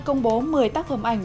công bố một mươi tác phẩm ảnh